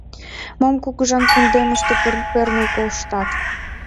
Мом Кугыжан кундемыште перныл коштат?